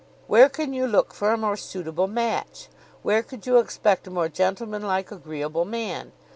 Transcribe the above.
Where can you look for a more suitable match? Where could you expect a more gentlemanlike, agreeable man?